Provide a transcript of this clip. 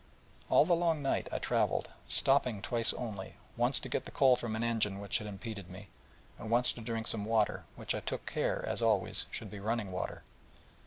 And all the long night I travelled, stopping twice only, once to get the coal from an engine which had impeded me, and once to drink some water, which I took care, as always, should be running water.